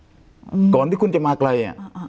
อืมก่อนที่คุณจะมาไกลอ่ะอ่า